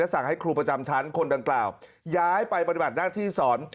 และสั่งให้ครูประจำชั้นคนต่างย้ายไปปฏิบัตินางค์ที่สอน